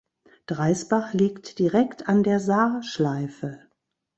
Dreisbach liegt direkt an der Saarschleife.